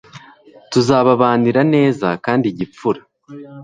tuzababanira neza kandi gipfura